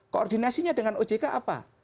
koordinasinya dengan ojk apa